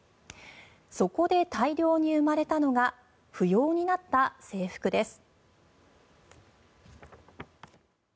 そこで大量に生まれたのが不要になった制服です。